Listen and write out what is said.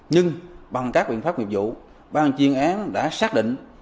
nhưng bằng các biện pháp nghiệp vụ ban chuyên án đã xác định